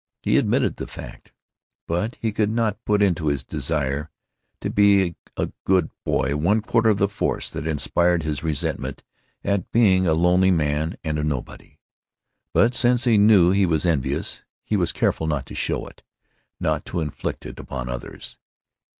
He admitted the fact, but he could not put into his desire to be a good boy one quarter of the force that inspired his resentment at being a lonely man and a nobody. But, since he knew he was envious, he was careful not to show it, not to inflict it upon others.